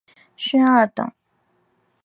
勋二等。